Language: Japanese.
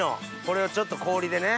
これをちょっと氷でね。